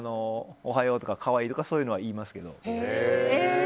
おはようとか、可愛いとかそういうのは言いますけど。